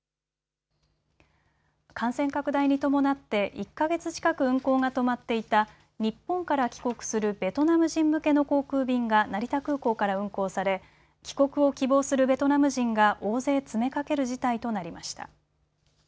感染拡大に伴って１か月近く運航が止まっていた日本から帰国するベトナム人向けの航空便が成田空港から運航され帰国を希望するベトナム人が大勢詰めかける事態となりました。